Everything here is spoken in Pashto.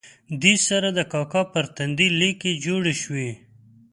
دې سره د کاکا پر تندي لیکې جوړې شوې.